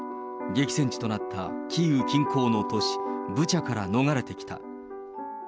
激戦地となったキーウ近郊の都市ブチャから逃れてきた。